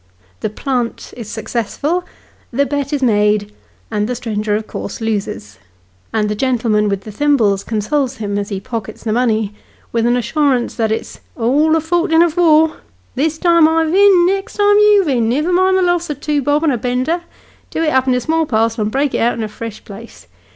The " plant " is successful, the bet is made, the stranger of course loses : and the gentleman with the thimbles consoles him, as he pockets the money, with an assurance that it's " all the fortin of war ! this time I vin, next time you vin : niver mind the loss of two bob and a bender! Do it up in a small parcel, and break out in a fresh place.